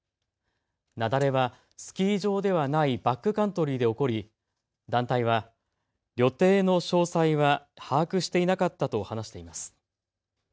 雪崩はスキー場ではないバックカントリーで起こり団体は旅程の詳細は把握していなかったと話しています。